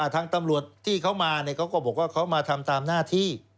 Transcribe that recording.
ทางตำรวจที่เขามาเขาก็บอกว่าเขามาทำตามหน้าที่